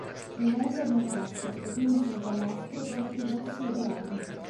Il ventre è biancastro, le pinne sono giallastre, gli occhi grossi e dorati.